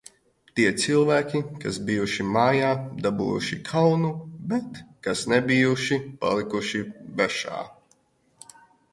Tie cilvēki, kas bijuši mājā, dabūjuši kaunu, bet, kas nebijuši, palikuši bešā.